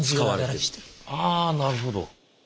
あなるほど。